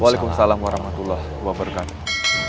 waalaikumsalam warahmatullahi wabarakatuh